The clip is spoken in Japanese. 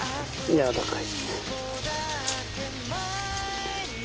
やわらかい。